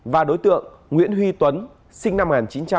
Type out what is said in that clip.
và đối tượng nguyễn huy tuấn sinh năm một nghìn chín trăm chín mươi sáu